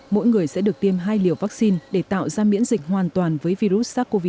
mỗi người sẽ được tiêm hai liều vaccine để tạo ra miễn dịch hoàn toàn với virus sars cov hai